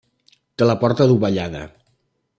Té la porta dovellada.